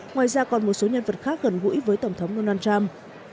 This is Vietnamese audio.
ngoài ra còn một số nhân vật khác gần gũi với tổng thống donald trump